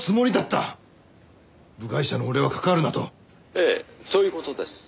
「ええそういう事です」